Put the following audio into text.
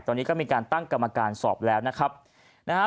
ตอนนี้ก็มีการตั้งกรรมการสอบแล้วนะครับนะฮะ